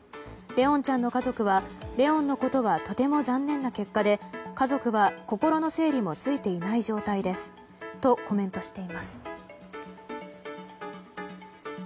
怜音ちゃんの家族は怜音のことはとても残念な結果で家族は心の整理もついていない状態ですとコメントしています。